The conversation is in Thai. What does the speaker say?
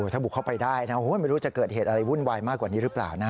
ถ้าบุกเข้าไปได้นะไม่รู้จะเกิดเหตุอะไรวุ่นวายมากกว่านี้หรือเปล่านะ